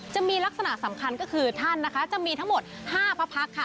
จะมีลักษณะสำคัญก็คือท่านนะคะจะมีทั้งหมด๕พระพักษ์ค่ะ